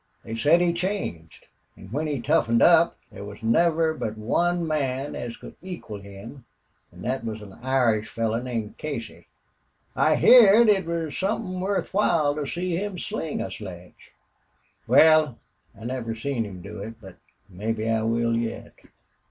They said he changed, an' when he toughened up thar was never but one man as could equal him, an' thet was an Irish feller named Casey. I heerd it was somethin' worth while to see him sling a sledge.... Wal, I never seen him do it, but mebbe I will yet.